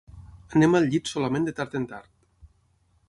Anem al llit solament de tard en tard.